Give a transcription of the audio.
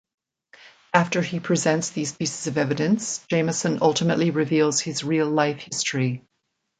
After he presents these pieces of evidence, Jameson ultimately reveals his real life history.